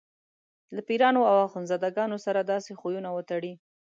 له پیرانو او اخندزاده ګانو سره داسې خویونه وتړي.